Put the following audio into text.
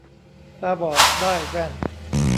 ตาบอดได้แว่น